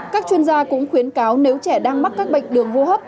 các chuyên gia cũng khuyến cáo nếu trẻ đang mắc các bệnh đường hô hấp